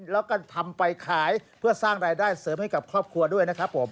แล้วก็ทำไปขายเพื่อสร้างรายได้เสริมให้กับครอบครัวด้วยนะครับผม